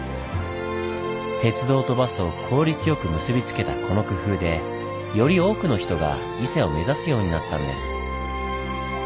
鉄道とバスを効率よく結び付けたこの工夫でより多くの人が伊勢を目指すようになったんです。